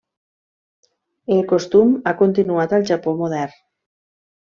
El costum ha continuat al Japó modern.